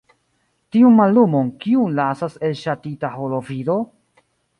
Tiun mallumon, kiun lasas elŝaltita holovido?